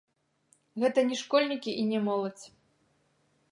Гэта не школьнікі і не моладзь.